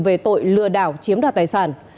về tội lừa đảo chiếm đoạt tài sản